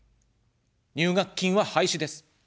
入学金は廃止です。